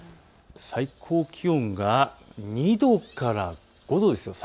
最高気温は２度から５度です。